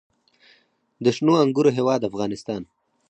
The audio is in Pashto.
د شنو انګورو هیواد افغانستان.